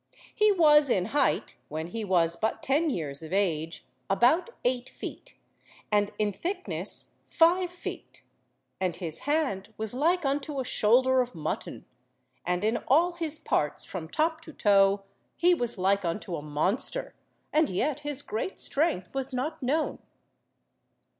He was in height, when he was but ten years of age, about eight feet; and in thickness, five feet; and his hand was like unto a shoulder of mutton; and in all his parts, from top to toe, he was like unto a monster, and yet his great strength was not known.